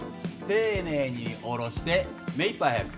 丁寧に下ろして目いっぱい速く。